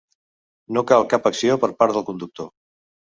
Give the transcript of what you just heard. No cal cap acció per part del conductor.